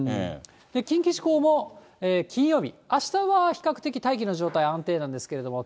近畿地方も金曜日、あしたは比較的大気の状態安定なんですけれども、